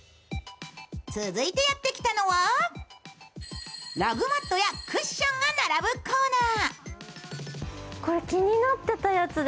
続いてやってきたのはラグマットやクッションが並ぶコーナー。